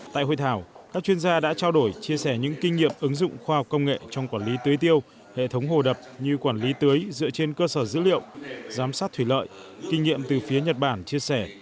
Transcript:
tại hội thảo các chuyên gia đã trao đổi chia sẻ những kinh nghiệm ứng dụng khoa học công nghệ trong quản lý tưới tiêu hệ thống hồ đập như quản lý tưới dựa trên cơ sở dữ liệu giám sát thủy lợi kinh nghiệm từ phía nhật bản chia sẻ